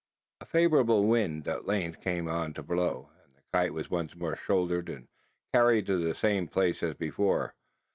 A favourable wind at length came on to blow; and the kite was once more shouldered, and carried to the same place as before.